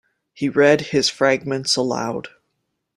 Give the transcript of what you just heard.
He read his fragments aloud.